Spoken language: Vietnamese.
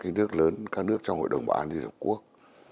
các nước lớn các nước trong hội đồng bảo an liên hợp quốc